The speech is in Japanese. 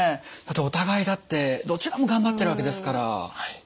お互いだってどちらもがんばってるわけですから。